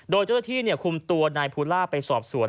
โดยเจ้าที่คุ้มตัวนายพูล่าไปสอบสวด